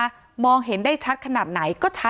ที่มีข่าวเรื่องน้องหายตัว